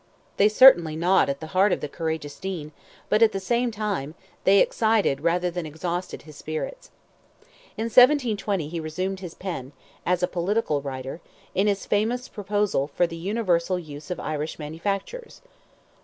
They certainly gnawed at the heart of the courageous Dean, but at the same time, they excited rather than exhausted his spirits. In 1720 he resumed his pen, as a political writer, in his famous proposal "for the universal use of Irish manufactures."